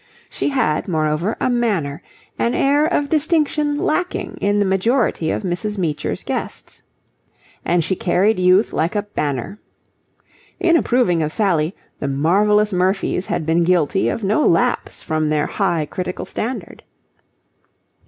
She had, moreover, a manner, an air of distinction lacking in the majority of Mrs. Meecher's guests. And she carried youth like a banner. In approving of Sally, the Marvellous Murphys had been guilty of no lapse from their high critical standard.